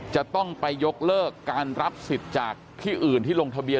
จะต้องไปยกเลิกการรับสิทธิ์จากที่อื่นที่ลงทะเบียน